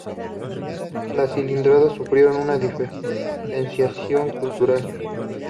Las Cícladas sufrieron una diferenciación cultural.